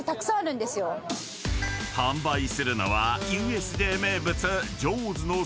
［販売するのはＵＳＪ名物］